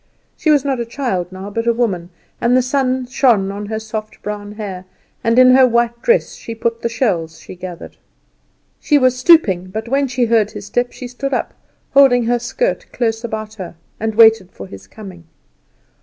She was not a child now, but a woman, and the sun shone on her soft brown hair, and in her white dress she put the shells she gathered. She was stooping, but when she heard his step she stood up, holding her skirt close about her, and waited for his coming.